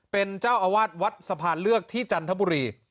เป็นเจ้าอาวาสวัดสะพานเลือกที่จันทบุรี